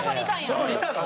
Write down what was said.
そこにいたの？